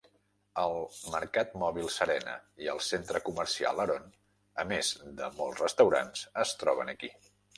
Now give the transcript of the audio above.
El mercat mòbil Serena i el centre comercial Haron, a més de molts restaurants, es troben aquí.